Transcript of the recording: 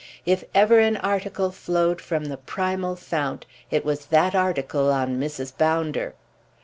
If ever an article flowed from the primal fount it was that article on Mrs. Bounder.